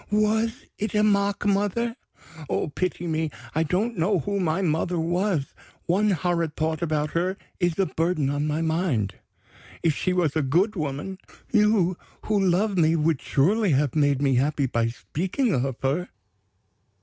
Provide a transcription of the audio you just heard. Was it a mock mother? Oh, pity me! I don't know who my mother was. One horrid thought about her is a burden on my mind. If she was a good woman, you who love me would surely have made me happy by speaking of her?"